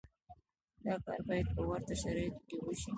دا کار باید په ورته شرایطو کې وشي.